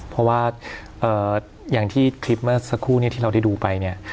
เพราะว่าอย่างที่คลิปเมื่อสักครู่เนี่ยที่เราได้ดูไปเนี่ย